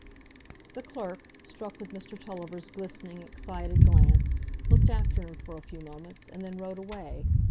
The clerk, struck with Mr Tulliver's glistening, excited glance, looked after him for a few moments, and then rode away.